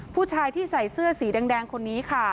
ผู้ชายที่ใส่เสื้อสีแดงคนนี้ค่ะ